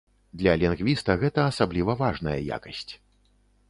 Для лінгвіста гэта асабліва важная якасць.